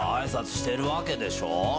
してるわけでしょ？